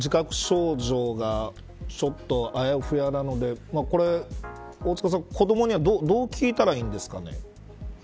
これ聞いても自覚症状がちょっと、あやふやなので大塚さん、子どもにはどう聞いたらいいんですかね。